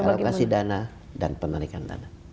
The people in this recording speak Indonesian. alokasi dana dan penarikan dana